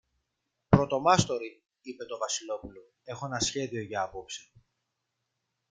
Πρωτομάστορη, είπε το Βασιλόπουλο, έχω ένα σχέδιο για απόψε.